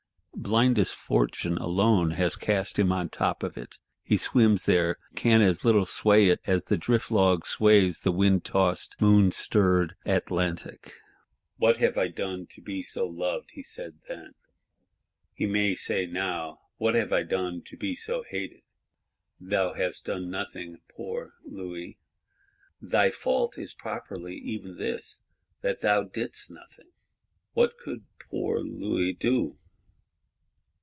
Blindest Fortune alone has cast him on the top of it: he swims there; can as little sway it as the drift log sways the wind tossed moon stirred Atlantic. 'What have I done to be so loved?' he said then. He may say now: What have I done to be so hated? Thou hast done nothing, poor Louis! Thy fault is properly even this, that thou didst nothing. What could poor Louis do?